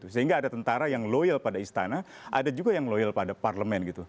sehingga ada tentara yang loyal pada istana ada juga yang loyal pada parlemen gitu